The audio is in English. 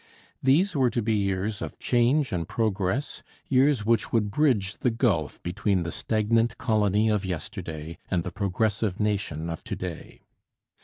These were to be years of change and progress, years which would bridge the gulf between the stagnant colony of yesterday and the progressive nation of to day.